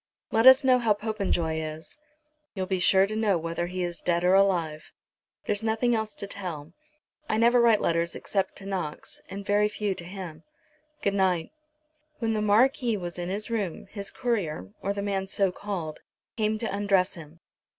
"Let us know how Popenjoy is." "You'll be sure to know whether he is dead or alive. There's nothing else to tell. I never write letters except to Knox, and very few to him. Good night." When the Marquis was in his room, his courier, or the man so called, came to undress him.